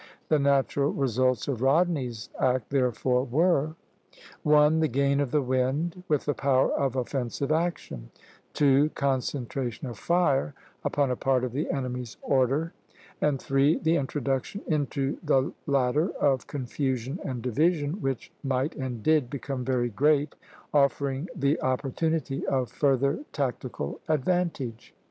The natural results of Rodney's act, therefore, were: (1) The gain of the wind, with the power of offensive action; (2) Concentration of fire upon a part of the enemy's order; and (3) The introduction into the latter of confusion and division, which might, and did, become very great, offering the opportunity of further tactical advantage.